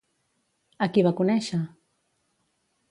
A qui va conèixer?